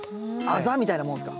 あざみたいなもんですか？